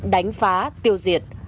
đánh phá tiêu diệt